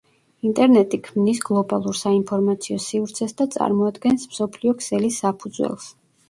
ინტერნეტი ქმნის გლობალურ საინფორმაციო სივრცეს და წარმოადგენს მსოფლიო ქსელის საფუძველს.